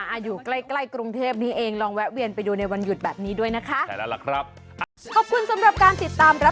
อยู่ใกล้ใกล้กรุงเทพนี้เองลองแวะเวียนไปดูในวันหยุดแบบนี้ด้วยนะคะ